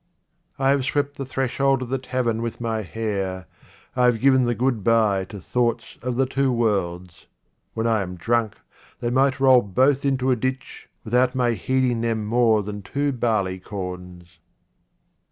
I have swept the threshold of the tavern with my hair ; I have given the good by to thoughts of the two worlds. When I am drunk, they might both roll into a ditch, without my heed ing them more than two barleycorns.